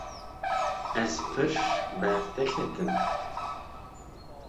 Ez pir li ber te ketim.